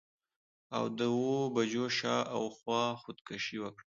او د اووه بجو شا او خوا خودکشي وکړه.